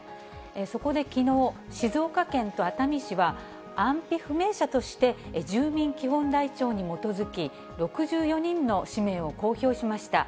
そこできのう、静岡県と熱海市は、安否不明者として、住民基本台帳に基づき、６４人の氏名を公表しました。